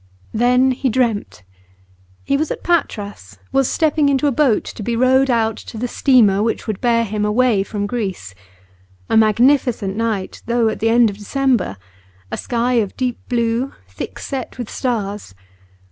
Then he dreamt. He was at Patras, was stepping into a boat to be rowed out to the steamer which would bear him away from Greece. A magnificent night, though at the end of December; a sky of deep blue, thick set with stars.